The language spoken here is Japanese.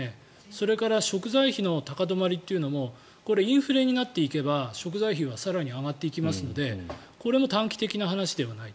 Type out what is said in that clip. それから食材費の高止まりというのもインフレになっていけば食材費は更に上がっていきますのでこれも短期的な話ではない。